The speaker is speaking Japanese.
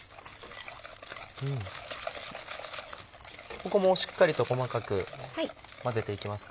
ここもしっかりと細かく混ぜていきますか？